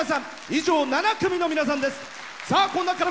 以上、７組の皆さんです。